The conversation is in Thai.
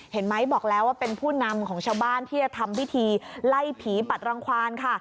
เห็นไหมบอกแล้วว่าเป็นผู้นำของชาวบ้านที่จะทำพิธีไล่ผีปัดรังควานค่ะ